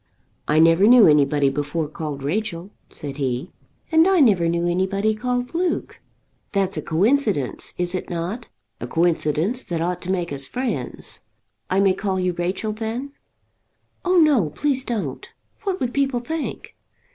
"I never knew anybody before called Rachel," said he. "And I never knew anybody called Luke." "That's a coincidence, is it not? a coincidence that ought to make us friends. I may call you Rachel then?" "Oh, no; please don't. What would people think?"